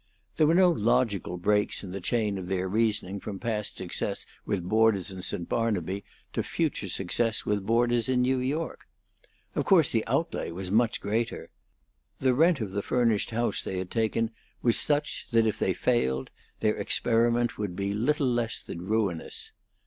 There were no logical breaks in the chain of their reasoning from past success with boarders in St. Barnaby to future success with boarders in New York. Of course the outlay was much greater. The rent of the furnished house they had taken was such that if they failed their experiment would be little less than ruinous.